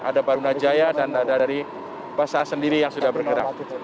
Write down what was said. ada baruna jaya dan ada dari pasar sendiri yang sudah bergerak